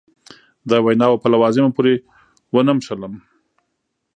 د ویناوو په لوازمو پورې ونه نښلم.